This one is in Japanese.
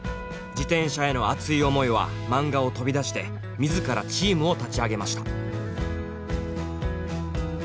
自転車への熱い思いは漫画を飛び出して自らチームを立ち上げました。